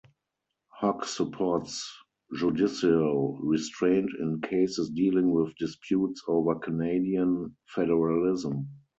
Hogg supports judicial restraint in cases dealing with disputes over Canadian federalism.